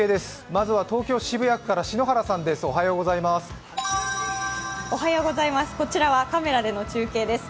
まずは東京・渋谷区から篠原さんです。